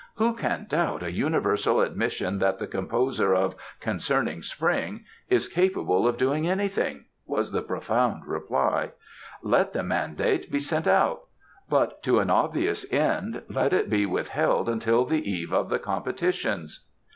"Who can doubt a universal admission that the composer of 'Concerning Spring' is capable of doing anything?" was the profound reply. "Let the mandate be sent out but, to an obvious end, let it be withheld until the eve of the competitions."